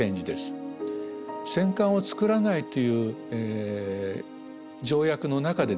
戦艦を造らないという条約の中でですね